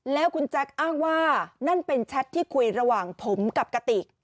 แล้วคุณแจ๊คอ้างว่านั่นเป็นแชทที่คุยระหว่างผมกับกติก